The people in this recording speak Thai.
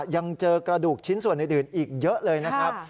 ยังเจอกระดูกชิ้นส่วนอื่นอีกเยอะเลยนะครับ